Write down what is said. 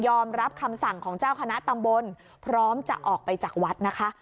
รับคำสั่งของเจ้าคณะตำบลพร้อมจะออกไปจากวัดนะคะ